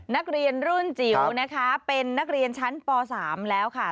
นักเรียนรุ่นจิ๋วนะคะเป็นนักเรียนชั้นป๓แล้วค่ะ